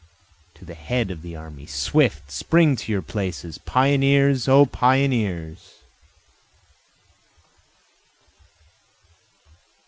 to the head of the army! swift! spring to your places, Pioneers! O pioneers!